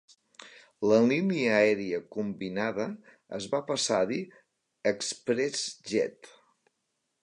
La línia aèria combinada es va passar a dir ExpressJet.